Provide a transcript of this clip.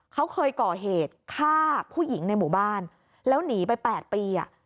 เขาเคยก่อเหตุฆ่าผู้หญิงในหมู่บ้านแล้วหนีไป๘ปี